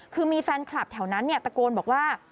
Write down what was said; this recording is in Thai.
คือมีแฟนคลับแถวนั้นตะโกนบอกว่า